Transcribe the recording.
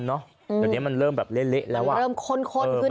เดี๋ยวเนี้ยมันเริ่มแบบเละเละแล้วอ่ะมันเริ่มข้นข้นขึ้นแล้วเออ